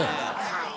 はい。